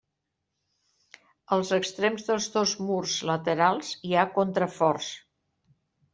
Als extrems dels dos murs laterals hi ha contraforts.